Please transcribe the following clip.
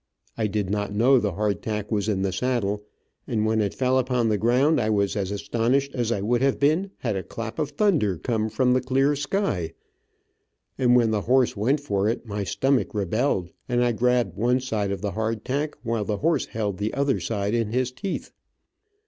I did not know the hard tack was in the saddle, and when it fell upon the ground I was as astonished as I would have been had a clap of thunder come from the clear sky, and when the horse went for it, my stomach rebelled and I grabbed one side of the hard tack while the horse held the other side in his teeth.